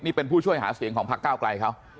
นี่เป็นผู้ช่วยหาเสียงของพักเก้าไกลเขา